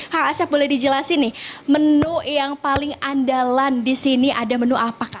kak asep boleh dijelaskan nih menu yang paling andalan di sini ada menu apa